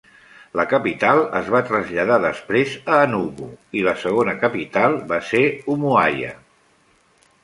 La capital es va traslladar després a Enugu i la segona capital va ser Umuahia.